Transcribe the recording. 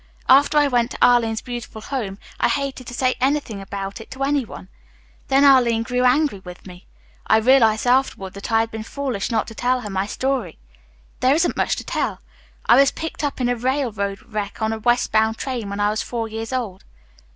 "After I went to Arline's beautiful home I hated to say anything about it to any one. Then Arline grew angry with me. I realized afterward that I had been foolish not to tell her my story. There isn't much to tell. I was picked up in a railroad wreck on a westbound train when I was four years old.